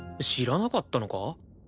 知らなかったのか？